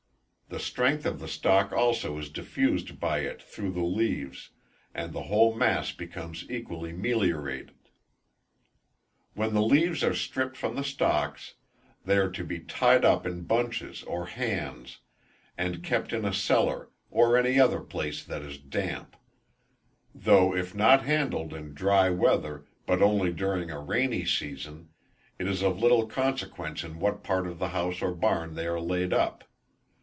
The strength of the stalk also is diffused by it through the leaves, and the whole mass becomes equally meliorated. When the leaves are stripped from the stalks, they are to be tied up in bunches or hands, and kept in a cellar, or any other place that is damp; though if not handled in dry weather, but only during a rainy season, it is of little consequence in what part of the house or barn they are laid up.